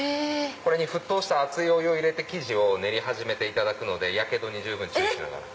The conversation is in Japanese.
これに沸騰した熱いお湯を入れて生地を練り始めていただくのでヤケドに十分注意しながら。